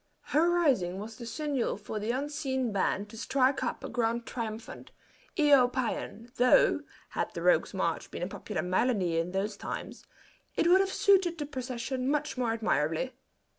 Her rising was the signal for the unseen band to strike up a grand triumphant "Io paean," though, had the "Rogue's March" been a popular melody in those times, it would have suited the procession much more admirably.